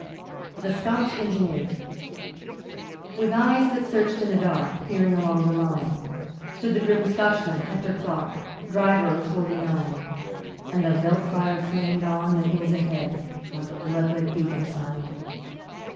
The Scotch Engineer With eyes that searched in the dark, Peering along the line, Stood the grim Scotchman, Hector Clark, Driver of 'Forty nine', And the veldt fire flamed on the hills ahead, Like a blood red beacon sign.